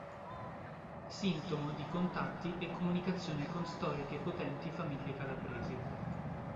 Sintomo di contatti e comunicazione con storiche potenti famiglie calabresi.